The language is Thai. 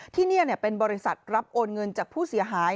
ที่นี่เป็นบริษัทรับโอนเงินจากผู้เสียหาย